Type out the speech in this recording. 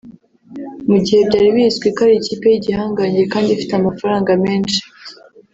Mu gihe byari bizwi ko ari ikipe y’igihangange kandi ifite amafaranga menshi